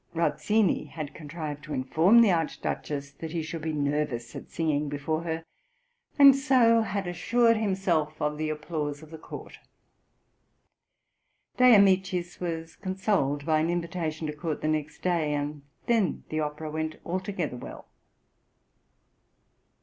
Rauzzini had contrived to inform the Archduchess that he should be nervous at singing before her, and so had assured himself of the applause of the court. De Amicis was consoled by an invitation to court the next day, and then the opera went altogether well.